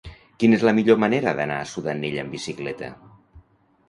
Quina és la millor manera d'anar a Sudanell amb bicicleta?